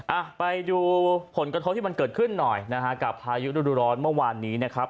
อ่ะไปดูผลกระทบที่มันเกิดขึ้นหน่อยนะฮะกับพายุฤดูร้อนเมื่อวานนี้นะครับ